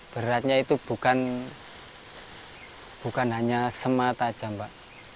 beratnya itu bukan hanya semata aja mbak